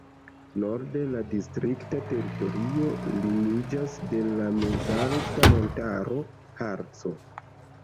Norde la distrikta teritorio limiĝas de la mezalta montaro Harco.